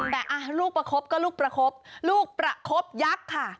แต่ลูกประคบก็ลูกประคบลูกประคบยักษ์ค่ะ